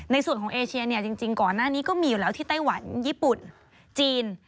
ในส่วนของเอเชียเนี่ยจริงก่อนหน้านี้ก็มีอยู่แล้วที่ไต้หวันญี่ปุ่นจีน